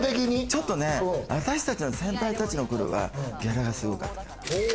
ちょっと私たちの先輩たちの頃はギャラがすごかった。